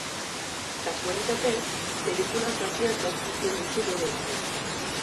Kasualitatez, pelikula zatiak aurkitzen ditu bere etxean.